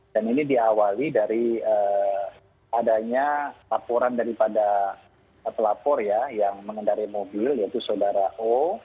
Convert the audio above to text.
dan ini diawali dari adanya laporan daripada pelapor ya yang mengendari mobil yaitu saudara o